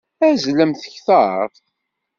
Azzlemt kteṛ!